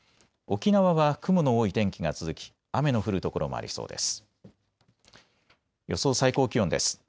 沖縄は雲の多い天気が続き雨の降る所もありそうです。